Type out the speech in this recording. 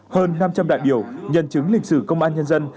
hơn năm trăm linh đại biểu nhân chứng lịch sử công an nhân dân